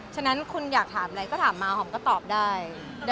ฉะนั้นคุณอยากถามอะไรก็ถามมาหอมก็ตอบได้